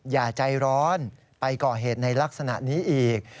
อย่าใจร้อนไปก่อเหตุในลักษณะนี้อีก